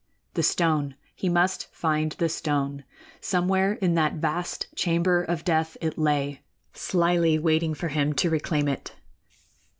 The stone he must find the stone! Somewhere in that vast chamber of death it lay, slyly waiting for him to reclaim it.